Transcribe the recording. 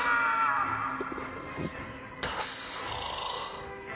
痛そう。